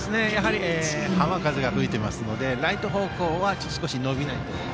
浜風が吹いていますのでライト方向は少し伸びないと。